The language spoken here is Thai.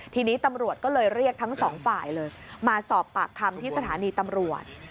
ทีนี้ตำรวจก็เลยเรียกทั้งสองฝ่ายเลยมาสอบปากคำที่สถานีตำรวจ